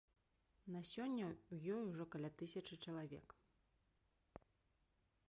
На сёння ў ёй ужо каля тысячы чалавек.